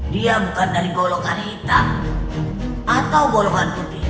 dia bukan golongan hitam atau golongan putih